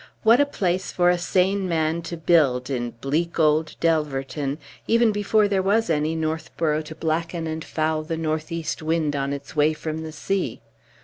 What a place for a sane man to build in bleak old Delverton, even before there was any Northborough to blacken and foul the north east wind on its way from the sea!